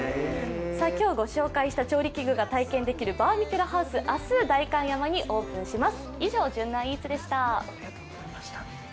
今日ご紹介した調理器具が体験できるバーミキュラハウス、明日代官山にオープンします。